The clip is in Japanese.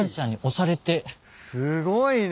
すごいね。